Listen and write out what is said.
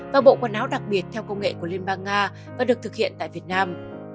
và bộ quần áo đặc biệt theo công nghệ của liên bang nga và được thực hiện tại việt nam